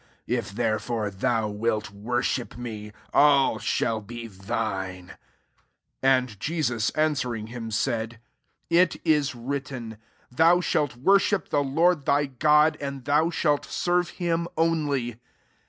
7 If, therefore, thou wilt worship me, all shall be thine.*' 8 And Jesus an swering him, said, <' It is writ ten, *Thou sbalt worship the Lord thy God, and thou shalt serve him only.'